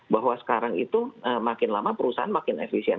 bahwa sekarang itu makin lama perusahaan makin efisien